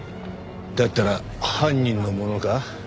だったら犯人のものか？